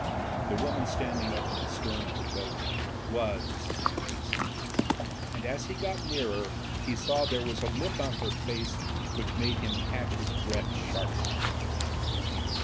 The woman standing up in the stem of the boat zvas Maisie, and as he got nearer he saw there was a look on her face which made him catch his breath sharply.